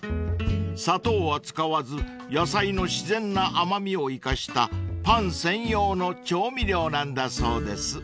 ［砂糖は使わず野菜の自然な甘味を生かしたパン専用の調味料なんだそうです］